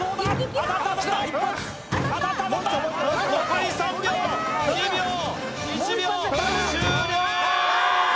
当たった当たった当たった当たった残り３秒２秒１秒終了！